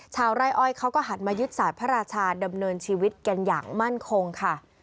ไร่อ้อยเขาก็หันมายึดสายพระราชาดำเนินชีวิตกันอย่างมั่นคงค่ะ